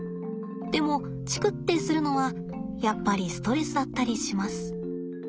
でもチクッてするのはやっぱりストレスだったりします。